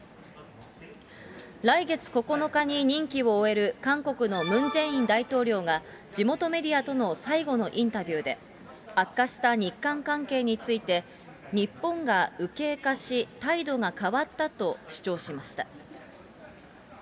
来月９日に任期を終える韓国のムン・ジェイン大統領が、地元メディアとの最後のインタビューで、悪化した日韓関係について、日本が右傾化し、態度が変わったと主張しました。